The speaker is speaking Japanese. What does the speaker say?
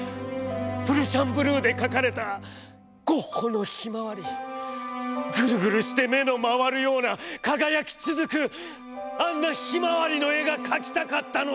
プルシャンブルーで描かれたゴッホのひまわりグルグルして目の廻るような輝きつづくあんなひまわりの絵が描きたかったのです。